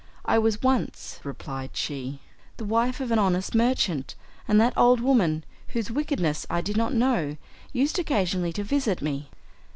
"I was once," replied she, "the wife of an honest merchant, and that old woman, whose wickedness I did not know, used occasionally to visit me.